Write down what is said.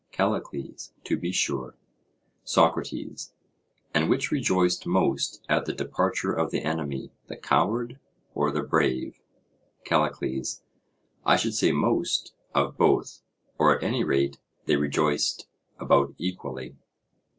CALLICLES: To be sure. SOCRATES: And which rejoiced most at the departure of the enemy, the coward or the brave? CALLICLES: I should say "most" of both; or at any rate, they rejoiced about equally.